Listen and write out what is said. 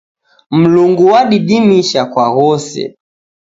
Mlungu wadidimisha kwa ghose.